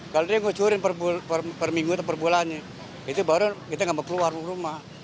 kalau dia ngucurin per minggu atau per bulannya itu baru kita nggak mau keluar rumah